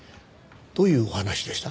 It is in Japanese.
どういうお話でした？